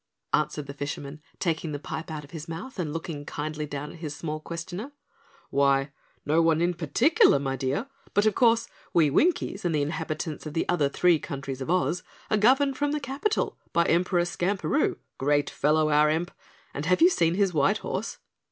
answered the fisherman, taking his pipe out of his mouth and looking kindly down at his small questioner. "Why, no one in particular, my dear, but of course, we Winkies and the inhabitants of the three other countries of Oz are governed from the capital by Emperor Skamperoo, a great fellow, our Emp, and have you seen his white horse?"